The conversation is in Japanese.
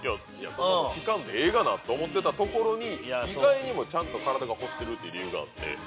聞かんでええがなと思ってたところに意外にもちゃんと体が欲してるっていう理由があって。